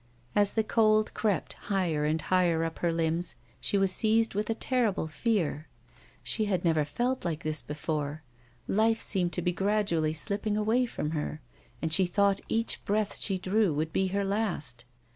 As the cold crept higher and higher up her limbs, she was seized with a terrible fear. She had never felt like this before ; life seemed to be gradiially slipping away from her, and she thought each breath she drew would be her last.